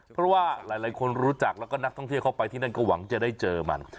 เพราะว่าหลายคนรู้จักแล้วก็นักท่องเที่ยวเข้าไปที่นั่นก็หวังจะได้เจอมัน